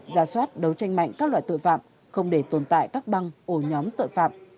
ra soát đấu tranh mạnh các loại tội phạm không để tồn tại các băng ổ nhóm tội phạm